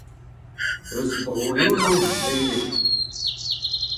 Eus Bro-Leon on, me ivez.